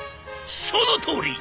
「そのとおり！